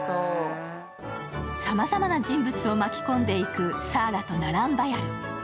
さまざまな人物を巻き込んでいくサーラとナランバヤル。